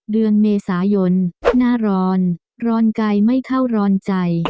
เดือนเมษายนหน้าร้อนร้อนไกลไม่เข้าร้อนใจ